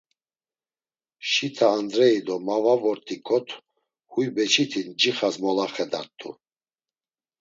Şit̆a Andreyi do ma va vort̆iǩot huy beçiti ncixas molaxedart̆u.